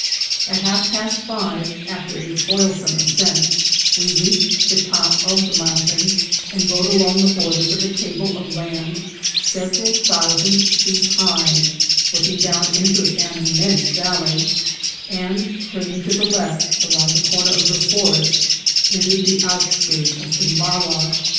At half past five, after a toilsome ascent, we reached the top of the mountain, and rode along the borders of a table of land several thousand feet high, looking down into an immense valley, and turning to the left, around the corner of the forest, entered the outskirts of Tumbala.